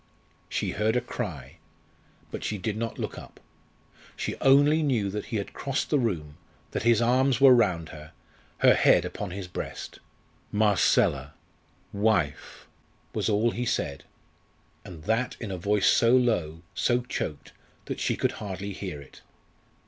"_ She heard a cry. But she did not look up. She only knew that he had crossed the room, that his arms were round her, her head upon his breast. "Marcella! wife!" was all he said, and that in a voice so low, so choked, that she could hardly hear it.